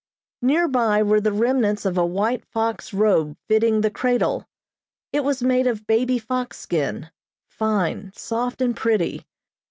Near by were the remnants of a white fox robe fitting the cradle. It was made of baby fox skin, fine, soft and pretty.